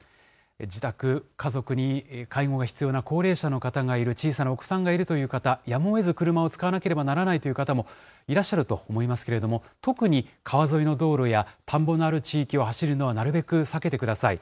自宅、家族に介護が必要な高齢者の方がいる、小さなお子さんがいるという方、やむをえず車を使わなければならないという方もいらっしゃると思いますけれども、特に川沿いの道路や、田んぼのある地域を走るのはなるべく避けてください。